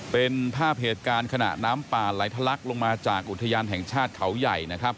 เป็นภาพเหตุการณ์ขณะน้ำป่าไหลทะลักลงมาจากอุทยานแห่งชาติเขาใหญ่นะครับ